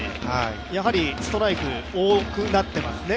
やはりストライクが多くなっていますね。